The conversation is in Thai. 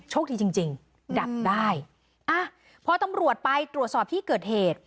จริงจริงดับได้อ่ะพอตำรวจไปตรวจสอบที่เกิดเหตุ